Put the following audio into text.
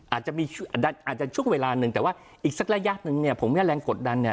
อาจจะมีอาจจะช่วงเวลาหนึ่งแต่ว่าอีกสักระยะหนึ่งเนี่ยผมว่าแรงกดดันเนี่ย